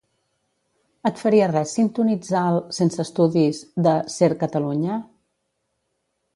Et faria res sintonitzar el "Sense estudis" de "Ser Catalunya"?